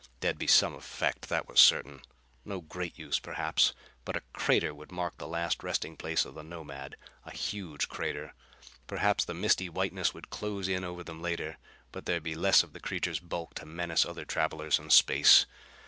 There'd be some effect, that was certain! No great use perhaps. But a crater would mark the last resting place of the Nomad; a huge crater. Perhaps the misty whiteness would close in over them later. But there'd be less of the creature's bulk to menace other travelers in space.